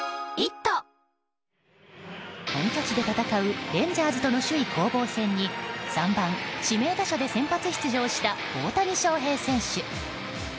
本拠地で戦うレンジャーズとの首位攻防戦に３番指名打者で先発出場した大谷翔平選手。